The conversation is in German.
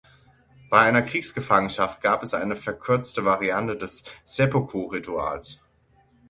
Bei einer Kriegsgefangenschaft gab es eine verkürzte Variante des Seppuku-Rituals.